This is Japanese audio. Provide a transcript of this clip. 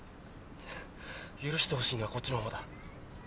許してほしいのはこっちのほうだ。